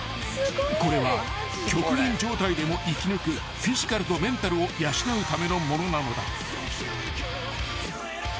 ［これは極限状態でも生き抜くフィジカルとメンタルを養うためのものなのだ］